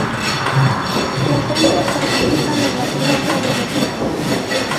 Sólo las hembras participan en la crianza de los hijos.